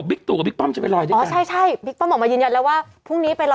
พรุ่งนี้ไปลอยกระทงที่ไหน